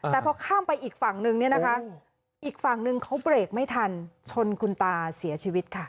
แต่พอข้ามไปอีกฝั่งหนึ่งเขาเบรกไม่ทันชนคุณตาเสียชีวิตค่ะ